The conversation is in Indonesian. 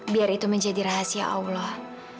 biar itu menjadi rahasia allah